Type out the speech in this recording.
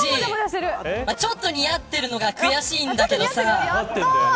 ちょっと似合ってるのが悔しいんだけど。